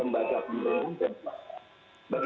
badan hukum indonesia